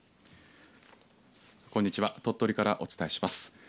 こんにちは鳥取からお伝えします。